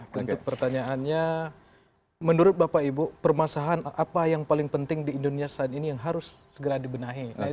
bentuk pertanyaannya menurut bapak ibu permasalahan apa yang paling penting di indonesia saat ini yang harus segera dibenahi